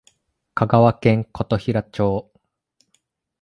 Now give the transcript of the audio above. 香川県琴平町